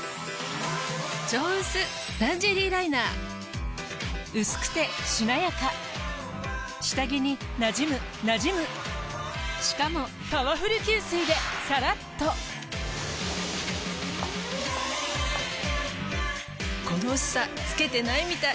「超薄ランジェリーライナー」薄くてしなやか下着になじむなじむしかもパワフル吸水でさらっとこの薄さつけてないみたい。